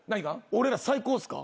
俺ら最高ですか？